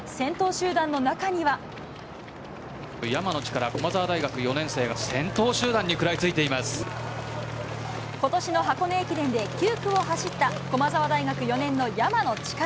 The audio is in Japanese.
山野力、駒澤大学４年生が、ことしの箱根駅伝で９区を走った、駒澤大学４年の山野力。